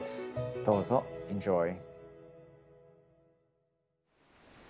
どうぞエンジョイ。